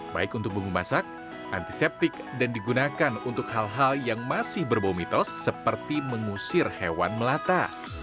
baik untuk bumbu masak antiseptik dan digunakan untuk hal hal yang masih berbau mitos seperti mengusir hewan melata